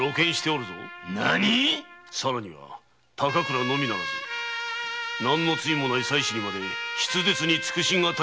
さらには高倉のみならず何の罪もない妻子にまで筆舌に尽くし難い苦しみを与えた。